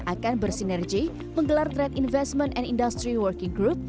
akan bersinergi menggelar trade investment and industry working group